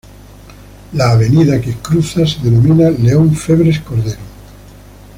La avenida que cruza se denomina León Febres Cordero.